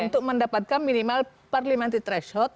untuk mendapatkan minimal parliamentary threshold